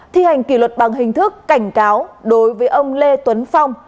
thi hành kỷ luật bằng hình thức cảnh cáo đối với ông lê tuấn phong